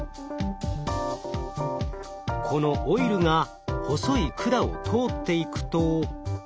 このオイルが細い管を通っていくと。